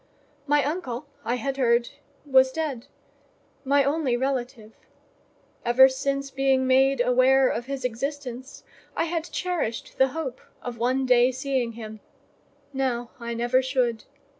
My uncle I had heard was dead—my only relative; ever since being made aware of his existence, I had cherished the hope of one day seeing him: now, I never should.